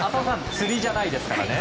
釣りじゃないですからね。